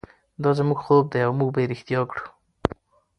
دا زموږ خوب دی او موږ به یې ریښتیا کړو.